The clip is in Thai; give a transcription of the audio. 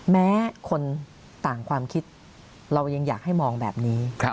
แม้คนต่างความคิดเรายังอยากให้มองแบบนี้